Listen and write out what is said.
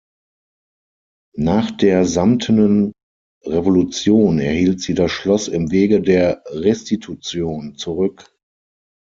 Nach der Samtenen Revolution erhielt sie das Schloss im Wege der Restitution zurück.